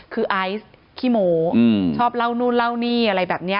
คือไอซ์ขี้โมชอบเล่านู่นเล่านี่อะไรแบบนี้